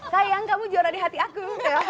sayang kamu juara di hati aku